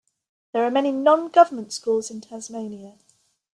There are many non-government schools in Tasmania.